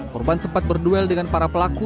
korban sempat berduel dengan para pelaku